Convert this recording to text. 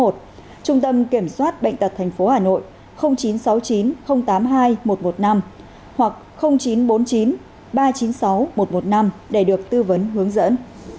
trung tâm kiểm soát bệnh tật tp hà nội chín trăm sáu mươi chín tám mươi hai một trăm một mươi năm hoặc chín trăm bốn mươi chín ba trăm chín mươi sáu một trăm một mươi năm để được tư vấn hướng dẫn